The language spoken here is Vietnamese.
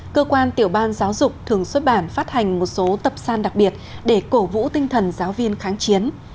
cơ quan tiểu ban giáo dục thường xuất bản phát hành một số tập san đặc biệt để cổ vũ tinh thần giáo viên kháng chiến